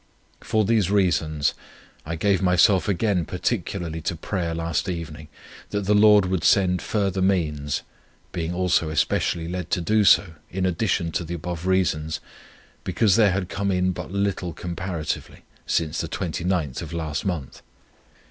For these reasons I gave myself again particularly to prayer last evening, that the Lord would send further means, being also especially led to do so, in addition to the above reasons, because there had come in but little comparatively, since the 29th of last month.